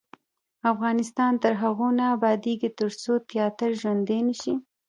افغانستان تر هغو نه ابادیږي، ترڅو تیاتر ژوندی نشي.